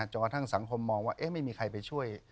จนกว่าทั้งสังคมมองว่าเอ๊ะไม่มีใครไปช่วย